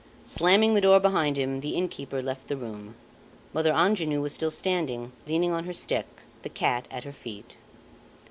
Slamming the door behind him, the innkeeper left the room. Mother Angenoux was still standing, leaning on her stick, the cat at her feet.